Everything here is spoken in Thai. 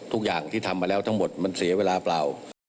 ทุกอย่างที่ทำมาแล้วทั้งหมดมันเสียเวลาเปล่า